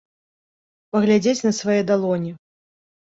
Паглядзець на свае далоні.